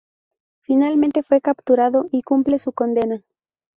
Finalmente fue capturado y cumple su condena.